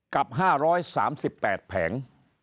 ๑๐๐๐กับ๕๓๘แผง